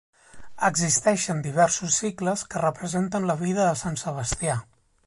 Existeixen diversos cicles que representen la vida de Sant Sebastià.